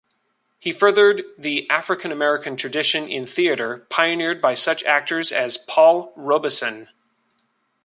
He furthered the African-American tradition in theatre pioneered by such actors as Paul Robeson.